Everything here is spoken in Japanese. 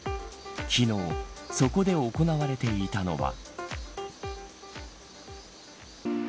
昨日そこで行われていたのは。